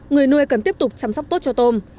người nuôi cần tiếp tục chăm sóc tốt cho tôm